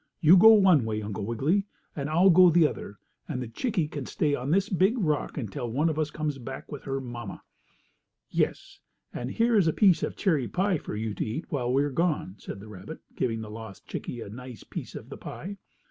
"You go one way, Uncle Wiggily, and I'll go the other, and the chickie can stay on this big rock until one of us comes back with her mamma." "Yes, and here is a piece of cherry pie for you to eat while we are gone," said the rabbit, giving the lost chickie a nice piece of the pie.